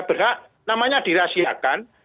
berhak namanya dirahsiakan